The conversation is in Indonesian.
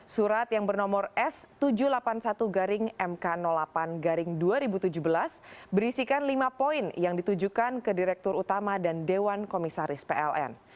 surat yang bernomor s tujuh ratus delapan puluh satu mk delapan garing dua ribu tujuh belas berisikan lima poin yang ditujukan ke direktur utama dan dewan komisaris pln